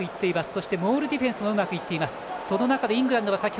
そして、モールディフェンスもうまくいってます。